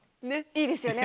いいですよね